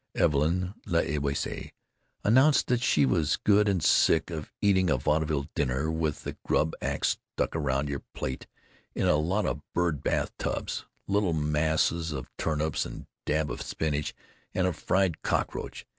Evelyn L'Ewysse announced that she was "good and sick of eating a vaudeville dinner with the grub acts stuck around your plate in a lot of birds' bath tubs—little mess of turnips and a dab of spinach and a fried cockroach.